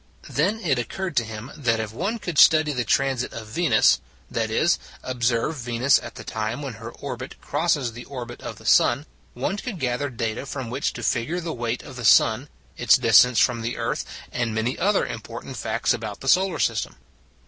Then it occurred to him that if one could study the transit of Venus that is, observe Venus at the time when her orbit crosses the orbit of the sun one could gather data from which to figure the weight of the sun, its distance from the earth, and many other important facts about the solar system.